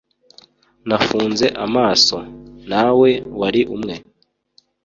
nafunze amaso, nawe wari umwe